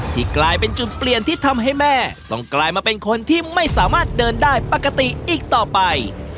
กลายเป็นจุดเปลี่ยนที่ทำให้แม่ต้องกลายมาเป็นคนที่ไม่สามารถเดินได้ปกติอีกต่อไป